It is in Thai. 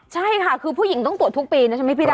ใช่ค่ะคือผู้หญิงต้องตรวจทุกปีนะใช่ไหมพี่ดา